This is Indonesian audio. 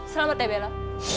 selamat ya bella